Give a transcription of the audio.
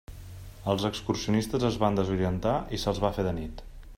Els excursionistes es van desorientar i se'ls va fer de nit.